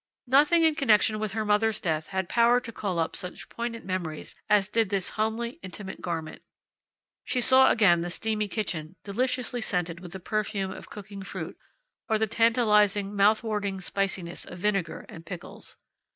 Nothing in connection with her mother's death had power to call up such poignant memories as did this homely, intimate garment. She saw again the steamy kitchen, deliciously scented with the perfume of cooking fruit, or the tantalizing, mouth watering spiciness of vinegar and pickles.